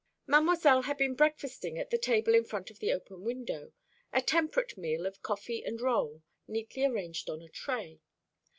Mademoiselle had been breakfasting at a table in front of the open window a temperate meal of coffee and roll, neatly arranged on a tray.